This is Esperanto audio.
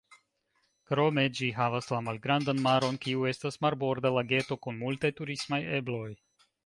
Krome ĝi havas la Malgrandan Maron, kiu estas marborda lageto kun multaj turismaj ebloj.